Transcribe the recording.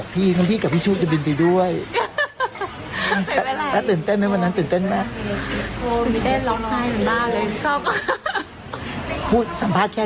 มีความสุขแค่ไหนคะดีกว่าสุขว่ะพอสามคำค่ะ